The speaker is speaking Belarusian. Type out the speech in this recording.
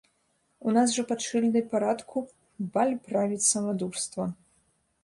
У нас жа пад шыльдай парадку баль правіць самадурства.